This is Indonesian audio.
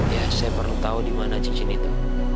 ya saya perlu tau dimana cincin itu